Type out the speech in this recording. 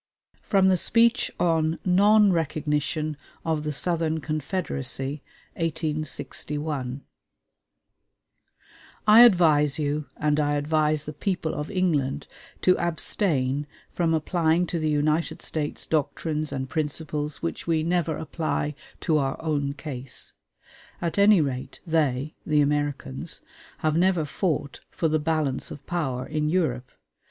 FROM THE SPEECH ON NON RECOGNITION OF THE SOUTHERN CONFEDERACY (1861) I advise you, and I advise the people of England, to abstain from applying to the United States doctrines and principles which we never apply to our own case. At any rate, they [the Americans] have never fought "for the balance of power" in Europe.